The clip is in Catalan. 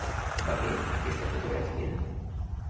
Va bé aquesta fotografia?